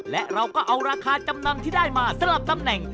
และเราก็เอาราคาจำนำที่ได้มาสลับตำแหน่ง